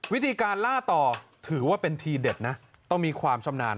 วิธีการล่าต่อถือว่าเป็นทีเด็ดนะต้องมีความชำนาญ